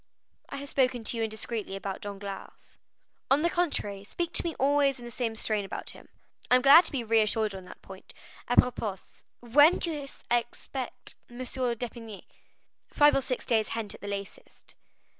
"I have spoken to you indiscreetly about Danglars." "On the contrary, speak to me always in the same strain about him." "I am glad to be reassured on that point. Apropos, when do you aspect M. d'Épinay?" "Five or six days hence at the latest."